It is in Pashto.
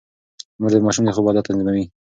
مور د ماشوم د خوب عادت تنظيموي.